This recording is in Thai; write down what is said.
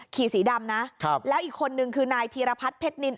สีดำนะครับแล้วอีกคนนึงคือนายธีรพัฒน์เพชรนิน